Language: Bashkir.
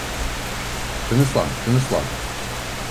Тыныслан, тыныслан...